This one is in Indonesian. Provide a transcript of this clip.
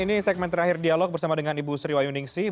pertama dan terakhir dialog bersama dengan ibu sri wahyuning sih